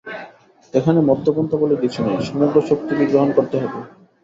এখানে মধ্যপন্থা বলে কিছু নেই, সমগ্র শক্তিকেই গ্রহণ করতে হবে।